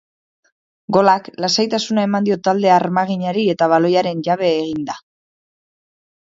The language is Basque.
Golak lasaitasuna eman dio talde armaginari eta baloiaren jabe egin da.